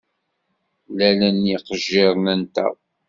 Mlalen yiqejjiren-nteɣ.